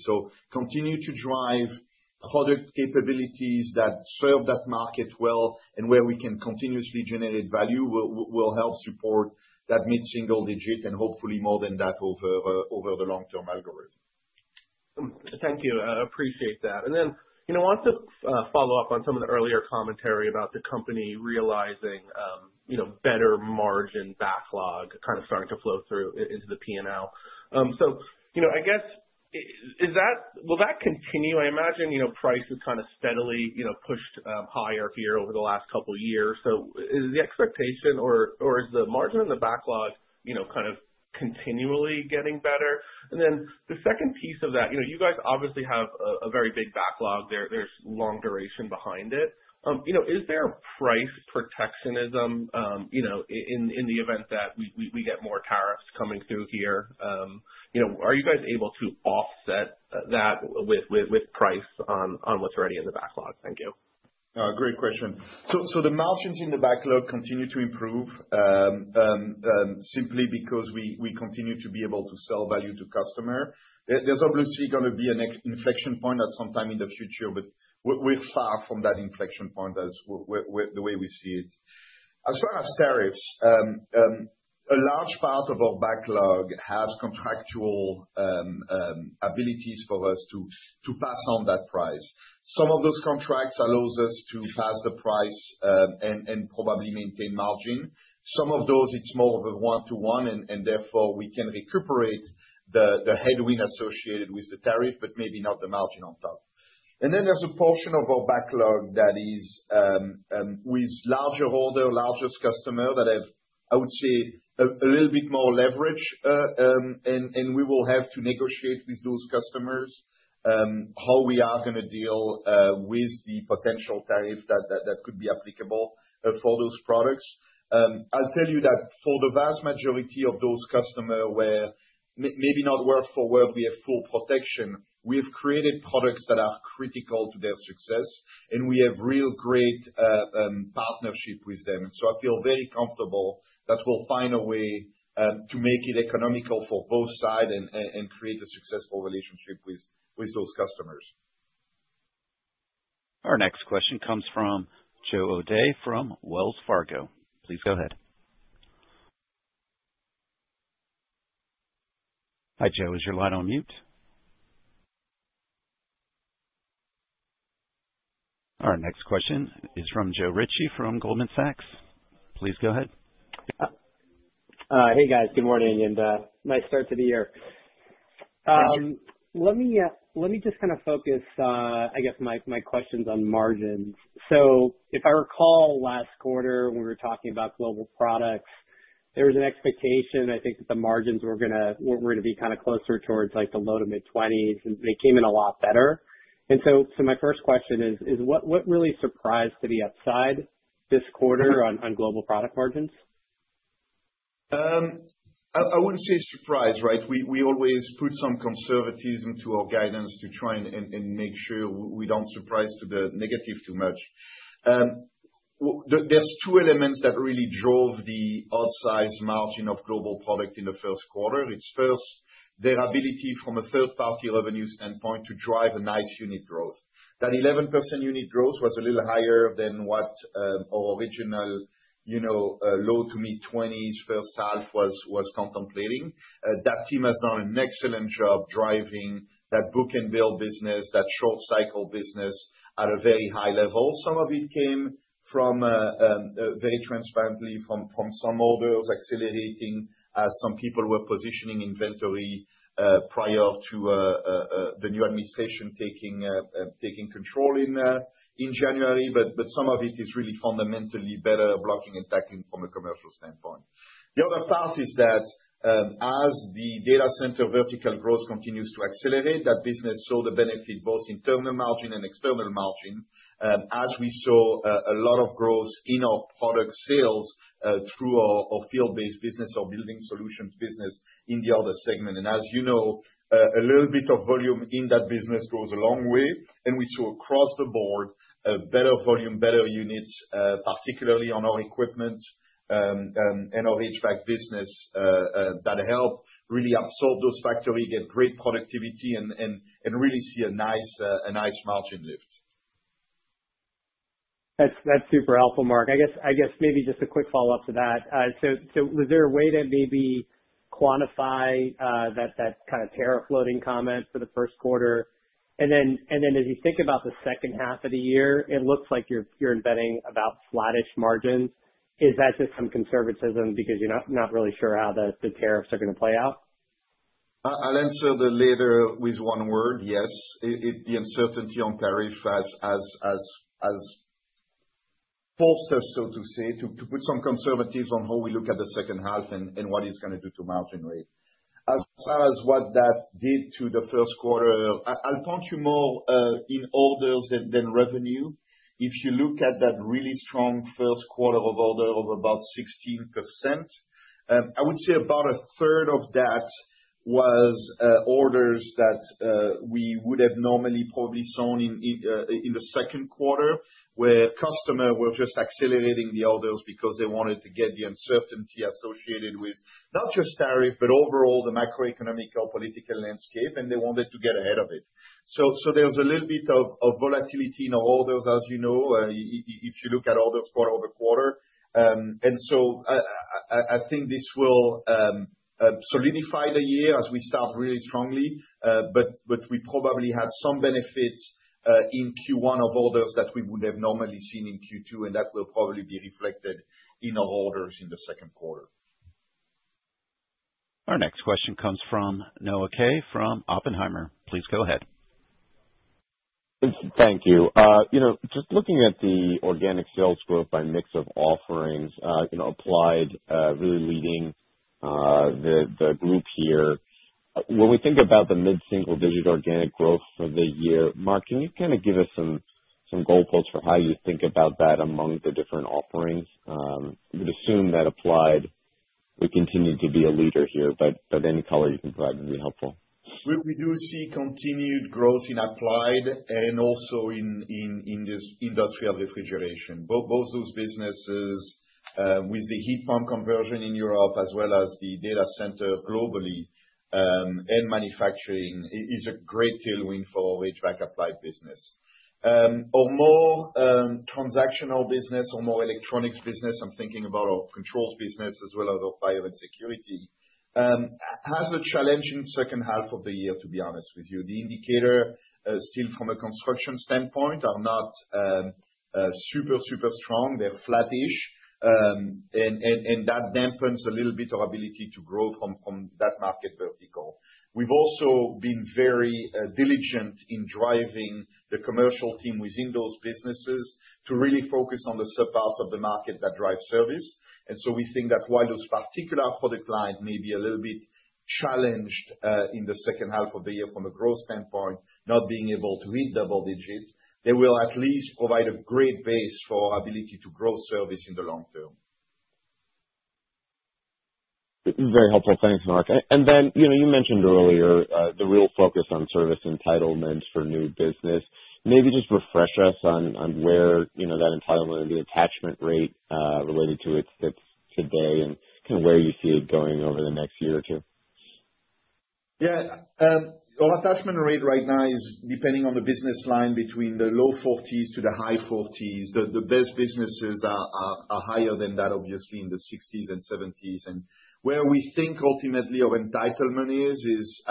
Continue to drive product capabilities that serve that market well and where we can continuously generate value will help support that mid-single digit and hopefully more than that over the long-term algorithm. Thank you. I appreciate that. And then I want to follow up on some of the earlier commentary about the company realizing better margin backlog kind of starting to flow through into the P&L. So I guess, will that continue? I imagine price has kind of steadily pushed higher here over the last couple of years. So is the expectation or is the margin in the backlog kind of continually getting better? And then the second piece of that, you guys obviously have a very big backlog. There's long duration behind it. Is there price protection in the event that we get more tariffs coming through here? Are you guys able to offset that with price on what's already in the backlog? Thank you. Great question. So the margins in the backlog continue to improve simply because we continue to be able to sell value to customers. There's obviously going to be an inflection point at some time in the future, but we're far from that inflection point as the way we see it. As far as tariffs, a large part of our backlog has contractual abilities for us to pass on that price. Some of those contracts allow us to pass the price and probably maintain margin. Some of those, it's more of a one-to-one, and therefore we can recuperate the headwind associated with the tariff, but maybe not the margin on top. And then there's a portion of our backlog that is with larger order, largest customers that have, I would say, a little bit more leverage. We will have to negotiate with those customers how we are going to deal with the potential tariff that could be applicable for those products. I'll tell you that for the vast majority of those customers where maybe not word for word, we have full protection, we have created products that are critical to their success, and we have real great partnership with them. I feel very comfortable that we'll find a way to make it economical for both sides and create a successful relationship with those customers. Our next question comes from Joe O'Dea from Wells Fargo. Please go ahead. Hi, Joe. Is your line on mute? Our next question is from Joe Ritchie from Goldman Sachs. Please go ahead. Hey, guys. Good morning and nice start to the year. Let me just kind of focus, I guess, my questions on margins. So if I recall last quarter, when we were talking about Global Products, there was an expectation, I think that the margins were going to be kind of closer towards the low to mid-20s, and they came in a lot better. And so my first question is, what really surprised to the upside this quarter on global product margins? I wouldn't say surprise, right? We always put some conservatism to our guidance to try and make sure we don't surprise to the negative too much. There's two elements that really drove the out-sized margin of Global Products in the first quarter. It's first, their ability from a third-party revenue standpoint to drive a nice unit growth. That 11% unit growth was a little higher than what our original low to mid-20s first half was contemplating. That team has done an excellent job driving that book and bill business, that short-cycle business at a very high level. Some of it came very transparently from some orders accelerating as some people were positioning inventory prior to the new administration taking control in January. But some of it is really fundamentally better blocking and tackling from a commercial standpoint. The other part is that as the data center vertical growth continues to accelerate, that business saw the benefit both in internal margin and external margin as we saw a lot of growth in our product sales through our field-based business, our building solutions business in the other segment. And as you know, a little bit of volume in that business goes a long way. And we saw across the board better volume, better units, particularly on our equipment and our HVAC business that helped really absorb those factories, get great productivity, and really see a nice margin lift. That's super helpful, Mark. I guess maybe just a quick follow-up to that. So was there a way to maybe quantify that kind of tariff flow-through comment for the first quarter? And then as you think about the second half of the year, it looks like you're embedding about flatish margins. Is that just some conservatism because you're not really sure how the tariffs are going to play out? I'll answer the latter with one word, yes. The uncertainty on tariff has forced us, so to say, to put some conservatism on how we look at the second half and what it's going to do to margins. As far as what that did to the first quarter, I'll point you more in orders than revenue. If you look at that really strong first quarter orders of about 16%, I would say about a third of that was orders that we would have normally probably seen in the second quarter where customers were just accelerating the orders because they wanted to get the uncertainty associated with not just tariff, but overall the macroeconomic or political landscape, and they wanted to get ahead of it. So there's a little bit of volatility in our orders, as you know, if you look at orders quarter over quarter. And so I think this will solidify the year as we start really strongly, but we probably had some benefit in Q1 of orders that we would have normally seen in Q2, and that will probably be reflected in our orders in the second quarter. Our next question comes from Noah Kaye from Oppenheimer. Please go ahead. Thank you. Just looking at the organic sales growth by mix of offerings, Applied really leading the group here, when we think about the mid-single digit organic growth for the year, Marc, can you kind of give us some goalposts for how you think about that among the different offerings? We'd assume that Applied would continue to be a leader here, but any color you can provide would be helpful. We do see continued growth in applied and also in industrial refrigeration. Both those businesses with the heat pump conversion in Europe as well as the data center globally and manufacturing is a great tailwind for our HVAC applied business. Our more transactional business, our more electronics business, I'm thinking about our controls business as well as our Fire and Security, has a challenge in the second half of the year, to be honest with you. The indicators, still from a construction standpoint, are not super, super strong. They're flattish, and that dampens a little bit our ability to grow from that market vertical. We've also been very diligent in driving the commercial team within those businesses to really focus on the subparts of the market that drive service. And so, we think that while those particular product lines may be a little bit challenged in the second half of the year from a growth standpoint, not being able to hit double-digit, they will at least provide a great base for our ability to grow service in the long term. Very helpful. Thanks, Mark. And then you mentioned earlier the real focus on service entitlement for new business. Maybe just refresh us on where that entitlement and the attachment rate related to it's today and kind of where you see it going over the next year or two. Yeah. Our attachment rate right now is, depending on the business line, between the low 40s to the high 40s. The best businesses are higher than that obviously, in the 60s and 70s, and where we think ultimately our entitlement is,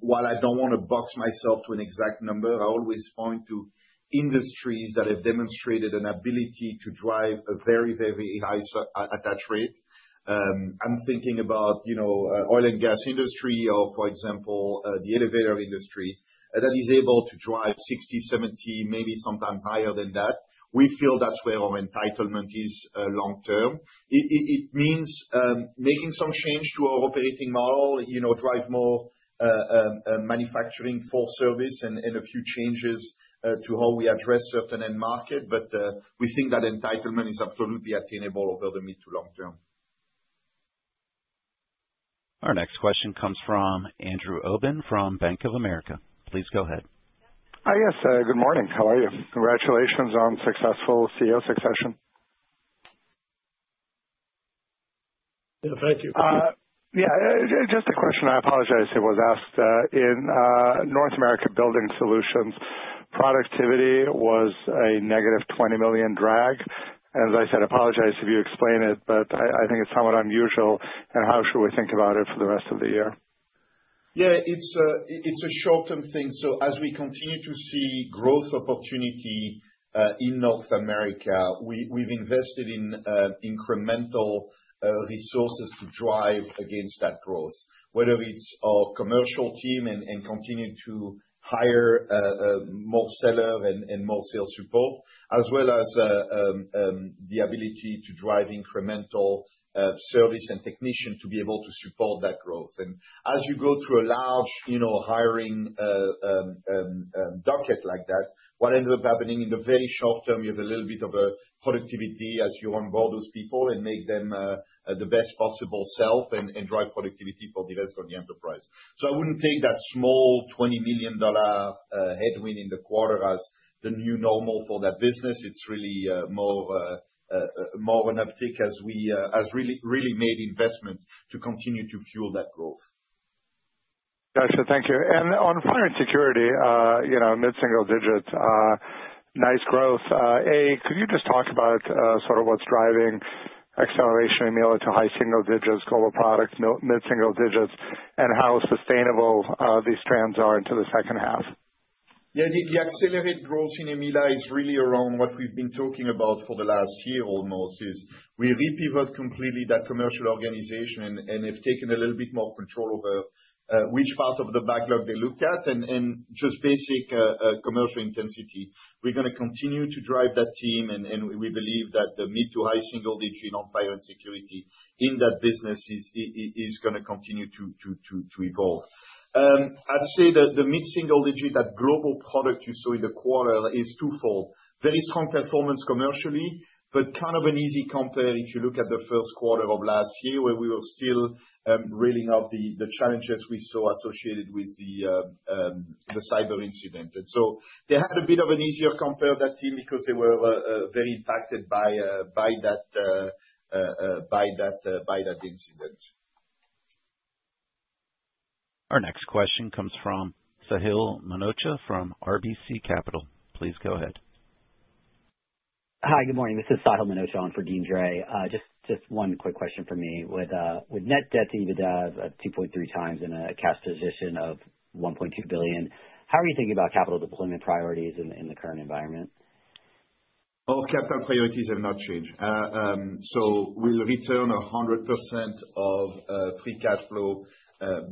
while I don't want to box myself to an exact number, I always point to industries that have demonstrated an ability to drive a very, very high attach rate. I'm thinking about the oil and gas industry or, for example, the elevator industry that is able to drive 60, 70, maybe sometimes higher than that. We feel that's where our entitlement is long term. It means making some change to our operating model, drive more manufacturing for service and a few changes to how we address certain end market, but we think that entitlement is absolutely attainable over the mid to long term. Our next question comes from Andrew Obin from Bank of America. Please go ahead. Hi, yes. Good morning. How are you? Congratulations on successful CEO succession. Yeah, thank you. Yeah. Just a question. I apologize. It was asked. In North America Building Solutions, productivity was a negative $20 million drag. And as I said, I apologize if you explain it, but I think it's somewhat unusual, and how should we think about it for the rest of the year? Yeah. It's a short-term thing. So as we continue to see growth opportunity in North America, we've invested in incremental resources to drive against that growth, whether it's our commercial team and continue to hire more seller and more sales support, as well as the ability to drive incremental service and technician to be able to support that growth. And as you go through a large hiring docket like that, what ends up happening in the very short term, you have a little bit of a productivity as you onboard those people and make them the best possible self and drive productivity for the rest of the enterprise. So I wouldn't take that small $20 million headwind in the quarter as the new normal for that business. It's really more an uptick as we really made investment to continue to fuel that growth. Gotcha. Thank you. And on fire and security, mid-single digits, nice growth. A, could you just talk about sort of what's driving acceleration in EMEALA to high single digits, global product, mid-single digits, and how sustainable these trends are into the second half? Yeah. The accelerated growth in EMEALA is really around what we've been talking about for the last year almost, is we repivot completely that commercial organization and have taken a little bit more control over which part of the backlog they look at and just basic commercial intensity. We're going to continue to drive that team, and we believe that the mid- to high-single-digit on fire and security in that business is going to continue to evolve. I'd say that the mid-single-digit, that Global Products you saw in the quarter is twofold. Very strong performance commercially, but kind of an easy compare if you look at the first quarter of last year where we were still reeling up the challenges we saw associated with the cyber incident. And so they had a bit of an easier compare, that team, because they were very impacted by that incident. Our next question comes from Sahil Manocha from RBC Capital. Please go ahead. Hi, good morning. This is Sahil Manocha on for Deane Dray. Just one quick question for me. With net debt that you would have at 2.3 times and a cash position of $1.2 billion, how are you thinking about capital deployment priorities in the current environment? Our capital priorities have not changed. So we'll return 100% of free cash flow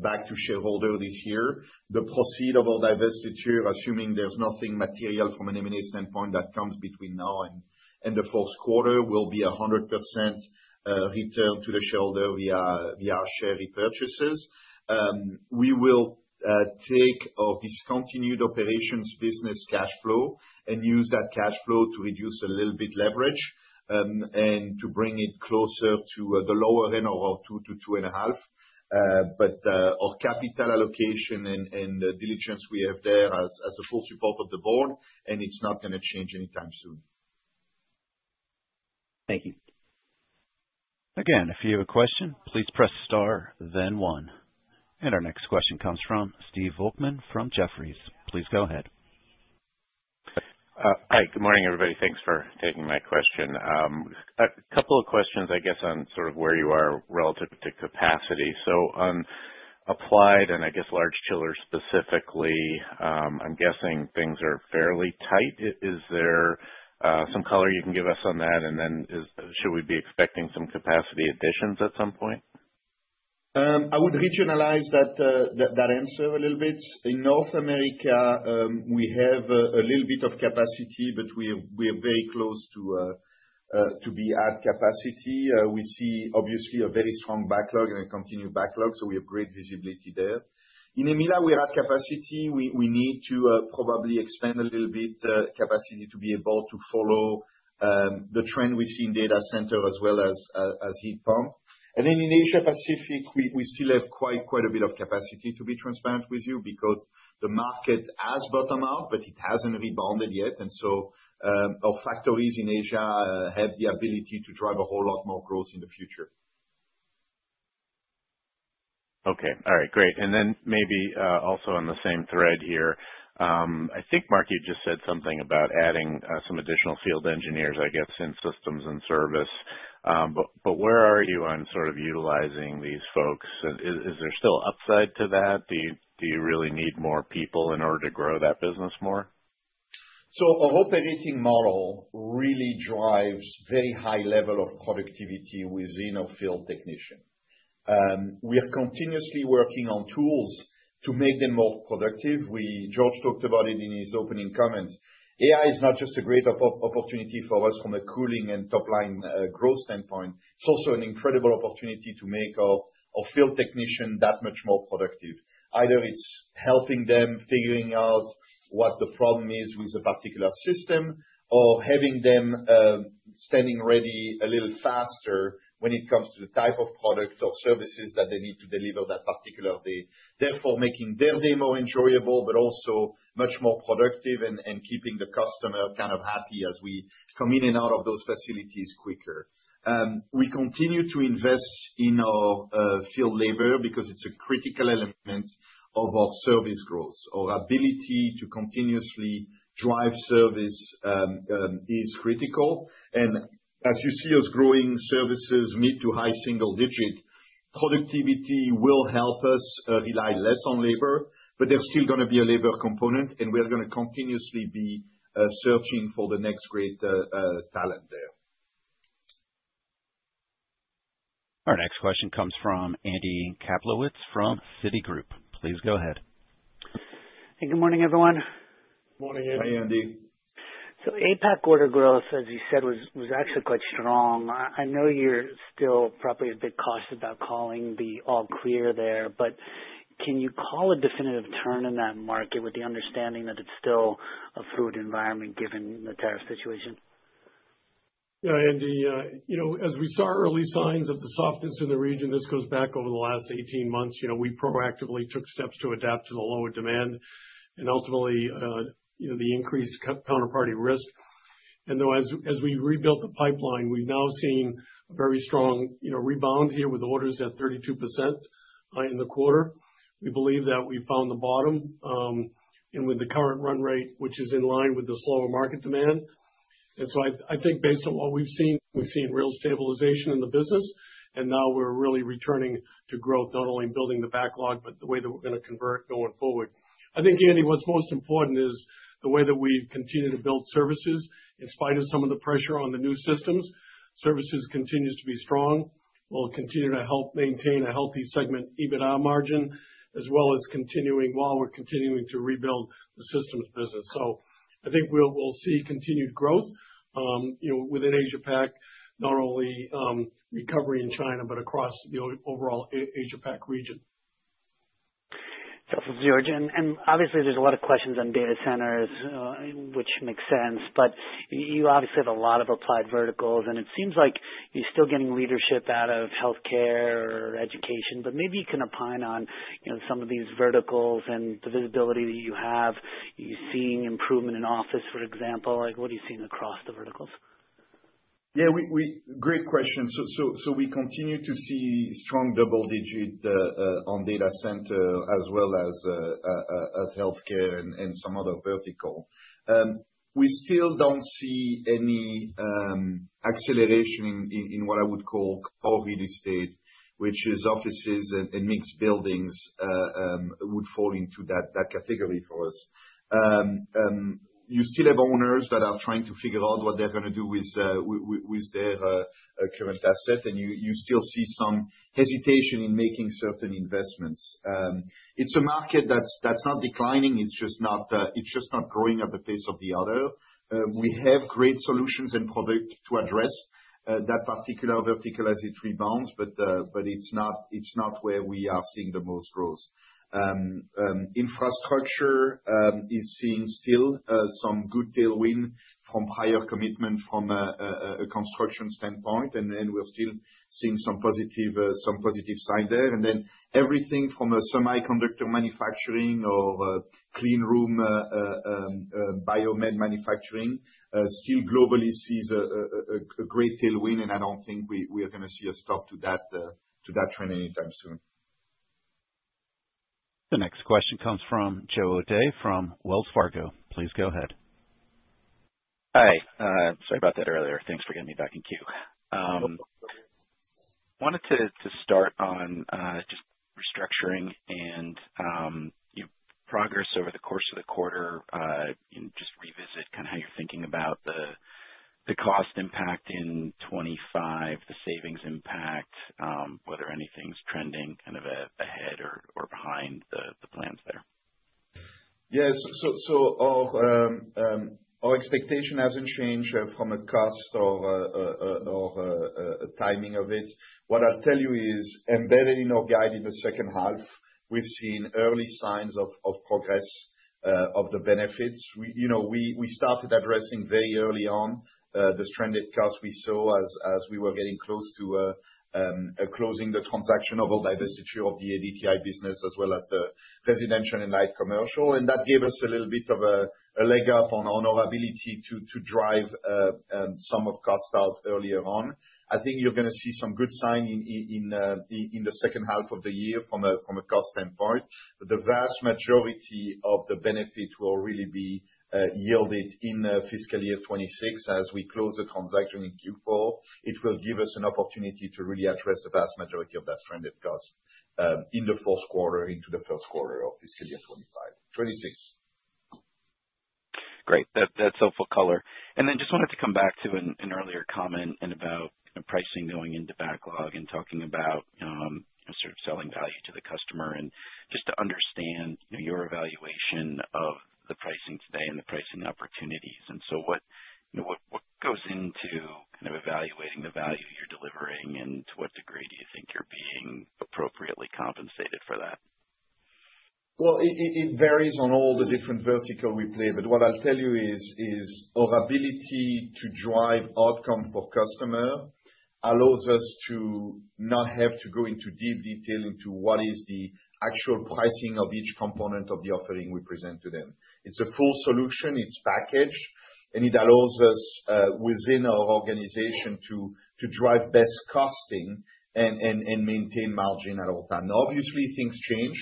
back to shareholders this year. The proceed of our divestiture, assuming there's nothing material from an M&A standpoint that comes between now and the fourth quarter, will be 100% return to the shareholder via share repurchases. We will take our discontinued operations business cash flow and use that cash flow to reduce a little bit leverage and to bring it closer to the lower end of our 2 to 2.5. But our capital allocation and diligence we have there as the full support of the board, and it's not going to change anytime soon. Thank you. Again, if you have a question, please press star, then one. And our next question comes from Steve Volkmann from Jefferies. Please go ahead. Hi. Good morning, everybody. Thanks for taking my question. A couple of questions, I guess, on sort of where you are relative to capacity. So on applied and, I guess, large chillers specifically, I'm guessing things are fairly tight. Is there some color you can give us on that? And then should we be expecting some capacity additions at some point? I would regionalize that answer a little bit. In North America, we have a little bit of capacity, but we are very close to be at capacity. We see, obviously, a very strong backlog and a continued backlog, so we have great visibility there. In EMEALA, we're at capacity. We need to probably expand a little bit capacity to be able to follow the trend we see in data center as well as heat pump. And then in Asia-Pacific, we still have quite a bit of capacity, to be transparent with you, because the market has bottomed out, but it hasn't rebounded yet. And so our factories in Asia have the ability to drive a whole lot more growth in the future. Okay. All right. Great. And then maybe also on the same thread here. I think Marc you just said something about adding some additional field engineers, I guess, in systems and service. But where are you on sort of utilizing these folks? Is there still upside to that? Do you really need more people in order to grow that business more? So our operating model really drives very high level of productivity within our field technician. We are continuously working on tools to make them more productive. George talked about it in his opening comments. AI is not just a great opportunity for us from a cooling and top-line growth standpoint. It's also an incredible opportunity to make our field technician that much more productive. Either it's helping them figuring out what the problem is with a particular system or having them standing ready a little faster when it comes to the type of product or services that they need to deliver that particular day, therefore making their day more enjoyable, but also much more productive and keeping the customer kind of happy as we come in and out of those facilities quicker. We continue to invest in our field labor because it's a critical element of our service growth. Our ability to continuously drive service is critical, and as you see us growing services mid- to high-single-digit, productivity will help us rely less on labor, but there's still going to be a labor component, and we're going to continuously be searching for the next great talent there. Our next question comes from Andy Kaplowitz from Citigroup. Please go ahead. Hey, good morning, everyone. Morning, Andrew. Hi, Andy. APAC order growth, as you said, was actually quite strong. I know you're still probably a bit cautious about calling the all clear there, but can you call a definitive turn in that market with the understanding that it's still a fluid environment given the tariff situation? Yeah, Andy, as we saw early signs of the softness in the region, this goes back over the last 18 months. We proactively took steps to adapt to the lower demand and ultimately the increased counterparty risk, and though as we rebuilt the pipeline, we've now seen a very strong rebound here with orders at 32% in the quarter. We believe that we found the bottom and with the current run rate, which is in line with the slower market demand, and so I think based on what we've seen, we've seen real stabilization in the business, and now we're really returning to growth, not only building the backlog, but the way that we're going to convert going forward. I think, Andy, what's most important is the way that we continue to build services in spite of some of the pressure on the new systems. Services continue to be strong. We'll continue to help maintain a healthy segment EBITDA margin as well as continuing while we're rebuilding the systems business. I think we'll see continued growth within Asia-Pac, not only recovery in China, but across the overall Asia Pac region. Thanks George, and obviously there's a lot of questions on data centers, which makes sense, but you obviously have a lot of applied verticals, and it seems like you're still getting leadership out of healthcare or education, but maybe you can opine on some of these verticals and the visibility that you have. You're seeing improvement in office, for example. What are you seeing across the verticals? Yeah. Great question. So we continue to see strong double digit on data center as well as healthcare and some other vertical. We still don't see any acceleration in what I would call core real estate, which is offices and mixed buildings would fall into that category for us. You still have owners that are trying to figure out what they're going to do with their current asset, and you still see some hesitation in making certain investments. It's a market that's not declining. It's just not growing at the pace of the other. We have great solutions and product to address that particular vertical as it rebounds, but it's not where we are seeing the most growth. Infrastructure is seeing still some good tailwind from prior commitment from a construction standpoint, and then we're still seeing some positive sign there. And then everything from a semiconductor manufacturing or cleanroom biomed manufacturing still globally sees a great tailwind, and I don't think we are going to see a stop to that trend anytime soon. The next question comes from Joe O'Dea from Wells Fargo. Please go ahead. Hi. Sorry about that earlier. Thanks for getting me back in queue. Wanted to start on just restructuring and progress over the course of the quarter. Just revisit kind of how you're thinking about the cost impact in 2025, the savings impact, whether anything's trending kind of ahead or behind the plans there. Yeah. So our expectation hasn't changed from a cost or timing of it. What I'll tell you is embedded in our guide in the second half. We've seen early signs of progress of the benefits. We started addressing very early on the stranded costs we saw as we were getting close to closing the transaction of our divestiture of the ADTI business as well as the residential and light commercial, and that gave us a little bit of a leg up on our ability to drive some of cost out earlier on. I think you're going to see some good signs in the second half of the year from a cost standpoint. The vast majority of the benefit will really be yielded in fiscal year 2026 as we close the transaction in Q4. It will give us an opportunity to really address the vast majority of that stranded cost in the fourth quarter into the first quarter of fiscal year 2026. Great. That's helpful color, and then just wanted to come back to an earlier comment about pricing going into backlog and talking about sort of selling value to the customer and just to understand your evaluation of the pricing today and the pricing opportunities, and so what goes into kind of evaluating the value you're delivering, and to what degree do you think you're being appropriately compensated for that? Well, it varies on all the different vertical we play, but what I'll tell you is our ability to drive outcome for customer allows us to not have to go into deep detail into what is the actual pricing of each component of the offering we present to them. It's a full solution. It's packaged, and it allows us within our organization to drive best costing and maintain margin at all times. Now, obviously, things change,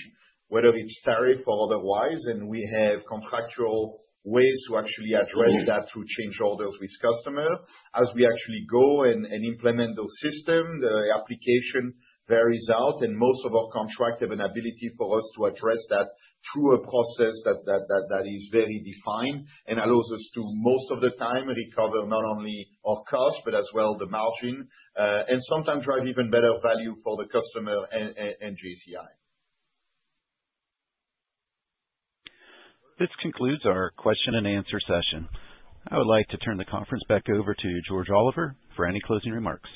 whether it's tariff or otherwise, and we have contractual ways to actually address that through change orders with customer. As we actually go and implement those systems, the application varies out, and most of our contracts have an ability for us to address that through a process that is very defined and allows us to, most of the time, recover not only our cost, but as well the margin, and sometimes drive even better value for the customer and JCI. This concludes our question and answer session. I would like to turn the conference back over to George Oliver for any closing remarks.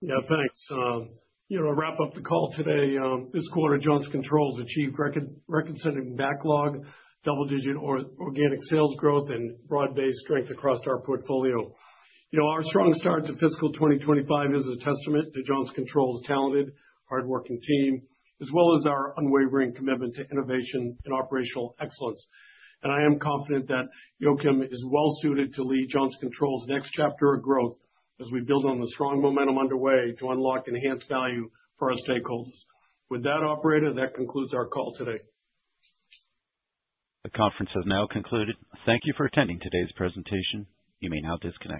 Yeah, thanks. I'll wrap up the call today. This quarter, Johnson Controls achieved record-setting backlog, double-digit organic sales growth, and broad-based strength across our portfolio. Our strong start to fiscal 2025 is a testament to Johnson Controls talented, hardworking team, as well as our unwavering commitment to innovation and operational excellence, and I am confident that Joakim is well-suited to lead Johnson Controls next chapter of growth as we build on the strong momentum underway to unlock enhanced value for our stakeholders. With that operator that concludes our call today. The conference has now concluded. Thank you for attending today's presentation. You may now disconnect.